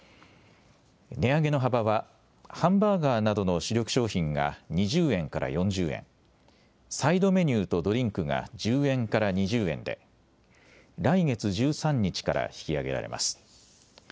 値上げの幅はハンバーガーなどの主力商品が２０円から４０円、サイドメニューとドリンクが１０円から２０円で来月１３日から引き上げられます。